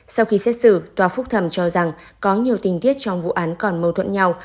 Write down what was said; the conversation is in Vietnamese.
sau khi xét xử tòa phúc thẩm cho rằng có nhiều tình tiết trong vụ án còn mâu thuẫn nhau